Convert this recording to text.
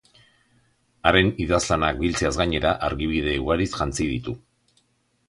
Haren idazlanak biltzeaz gainera, argibide ugariz jantzi ditu.